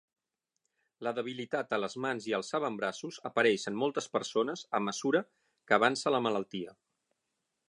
La debilitat a les mans i els avantbraços apareix en moltes persones a mesura que avança la malaltia.